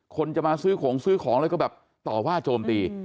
คนจะมาซื้อของซื้อของแล้วก็แบบต่อว่าโจมตี